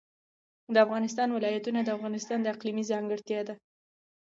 د افغانستان ولايتونه د افغانستان د اقلیم ځانګړتیا ده.